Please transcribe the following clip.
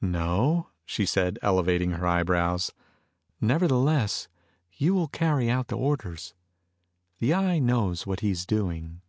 "No?" she said, elevating her eyebrows. "Nevertheless, you will carry out the orders. The Eye knows what he's doing."